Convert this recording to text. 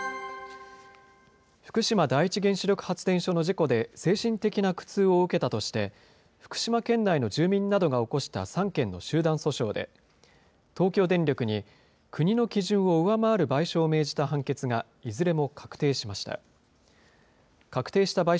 福島第一原子力発電所の事故で精神的な苦痛を受けたとして、福島県内の住民などが起こした３件の集団訴訟で、東京電力に、国の基準を上回る賠償を命じた判決がいずれも確定しました。